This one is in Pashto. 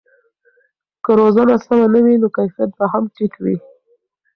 که روزنه سمه نه وي نو کیفیت به هم ټیټ وي.